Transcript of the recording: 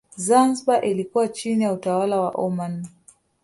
Zanzibar ilikuwa chini ya utawala wa Oman